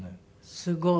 すごい。